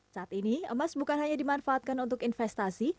saat ini emas bukan hanya dimanfaatkan untuk investasi